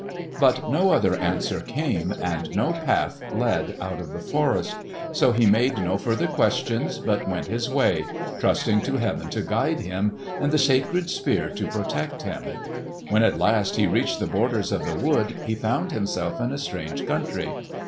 But no other answer came, and no path led out of the forest. So he made no further questions but went his way, trusting to Heaven to guide him, and the sacred Spear to protect him. When at last he reached the borders of the wood he found himself in a strange country.